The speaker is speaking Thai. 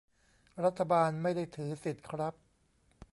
รัฐบาลไม่ได้ถือสิทธิ์ครับ